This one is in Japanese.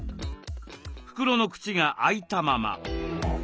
袋の口が開いたまま。